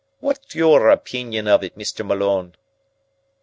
"What's your opeenion of it, Mr. Malone?"